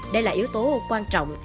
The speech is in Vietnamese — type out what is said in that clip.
đây là yếu tố quan trọng